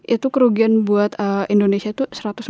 itu kerugian buat indonesia itu